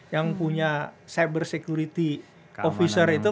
yang punya perusahaan yang punya pengawas keamanan